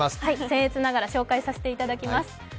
せん越ながら紹介させていただきます。